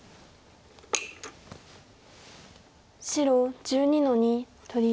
白１２の二取り。